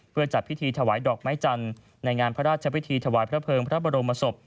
เพื่อจัดพิธีถวายดอกไม้จันทร์ในงานพระราชพิธีถวายพระเภิงพระบรมศพ